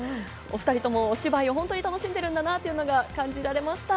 お２人ともお芝居を楽しんでいるんだなというのが感じられました。